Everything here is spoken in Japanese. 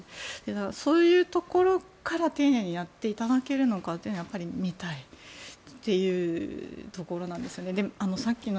そういうところから丁寧にやっていただけるのかは見たいというところなんですね。